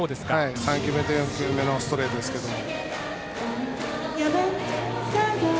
３球目と４球目のストレートですけども。